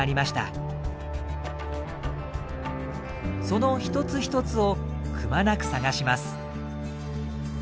その一つ一つをくまなく探します。